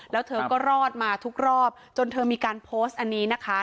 แล้วเธอก็รอดมาทุกรอบจนเธอมีการโพสต์อันนี้นะคะ